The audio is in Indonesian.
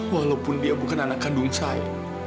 walaupun dia bukan anak kandung saya